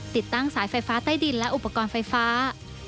ติดตั้งสายไฟฟ้าใต้ดินและอุปกรณ์ไฟฟ้า